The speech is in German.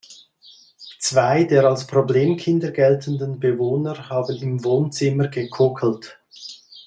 Zwei der als Problemkinder geltenden Bewohner haben im Wohnzimmer gekokelt.